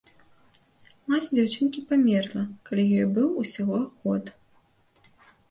Маці дзяўчынкі памерла, калі ёй быў усяго год.